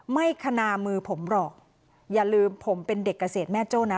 คณามือผมหรอกอย่าลืมผมเป็นเด็กเกษตรแม่โจ้นะ